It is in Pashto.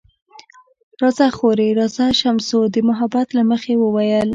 راځه خورې، راځه، شمشو د محبت له مخې وویل.